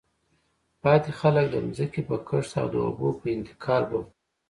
پاتې خلک د ځمکې په کښت او د اوبو په انتقال بوخت وو.